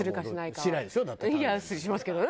いやしますけどね。